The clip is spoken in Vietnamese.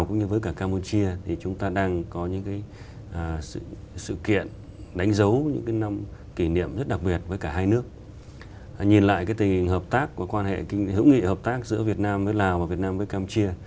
nhìn lại tình hợp tác của quan hệ hữu nghị hợp tác giữa việt nam với lào và việt nam với campuchia